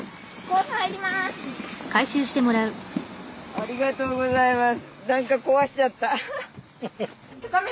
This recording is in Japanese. ありがとうございます。